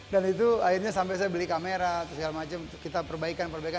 dan itu akhirnya sampai saya beli kamera dan segala macam untuk kita perbaikan perbaikan